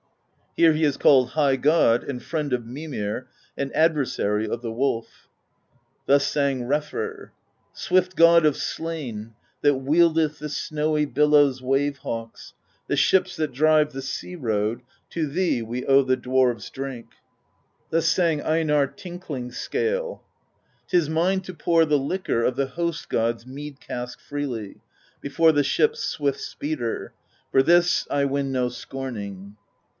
Here he is called High God, and Friend of Mimir, and Adversary of the Wolf. Thus sang Refr: Swift God of Slain, that wieldeth The snowy billow's wave hawks, The ships that drive the sea road. To thee we owe the dwarves' drink. Thus sang Einarr Tinkling Scale: 'T is mine to pour the liquor Of the Host God's mead cask freely Before the ships' swift Speeder: For this I win no scorning.